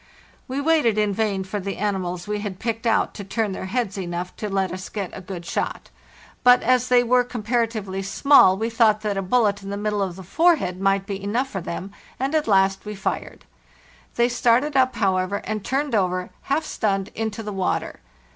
We waited in vain for the animals we had picked out to turn their heads enough to let us get a good 416 FARTHEST NORTH shot; but as they were comparatively small we thought that a bullet in the middie of the forehead might be enough for them, and at last we fired. They started up, however, and turned over, half stunned, into the water.